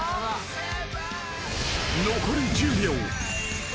［残り１０秒］